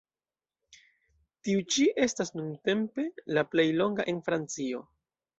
Tiu ĉi estas nuntempe la plej longa en Francio.